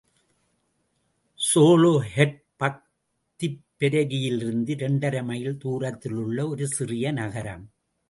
Soloheadbeg திப்பெரரியிலிருந்து இரண்டரை mile தூரத்திலுள்ள ஒரு சிறிய நகரம்.